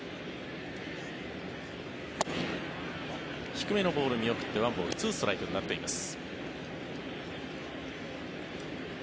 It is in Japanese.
低めのボール、見送って１ボール２ストライクになっています。